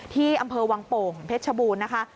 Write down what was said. ที่อำเภอวังโป่งเพชรชบูรณ์นะคะ